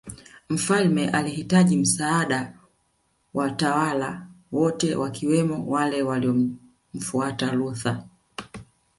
Mfalme alihitaji msaada wa watawala wote wakiwemo wale waliomfuata Luther